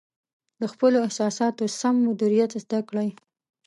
د خپلو احساساتو سم مدیریت زده کړئ.